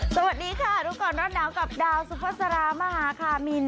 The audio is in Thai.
สวัสดีค่ะทุกคนรอดหนาวกับดาวซุฟาสรามหาคามิน